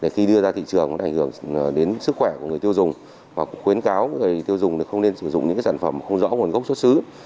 khi đưa ra thị trường nó ảnh hưởng đến sức khỏe của người tiêu dùng và cũng khuyến cáo người tiêu dùng không nên sử dụng những sản phẩm không rõ nguồn gốc xuất xứ